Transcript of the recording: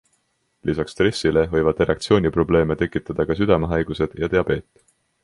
Lisaks stressile võivad erektsiooniprobleeme tekitada ka südamehaigused ja diabeet.